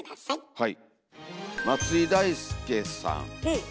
はい。